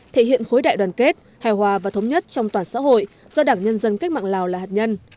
thể hiện khối đại đoàn kết hài hòa và thống nhất trong toàn xã hội do đảng nhân dân cách mạng lào là hạt nhân